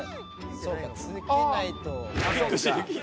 そうか着けないと。